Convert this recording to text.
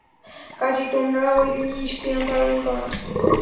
কাজেই তোমরা ঐ দিন সিয়াম পালন কর।